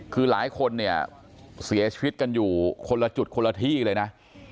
คือหลายคนเนี่ยเสียชีวิตกันอยู่คนละจุดคนละที่เลยนะ